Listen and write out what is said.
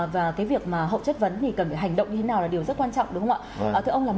và cái việc mà hậu chất vấn thì cần phải hành động như thế nào là điều rất quan trọng đúng không ạ thưa ông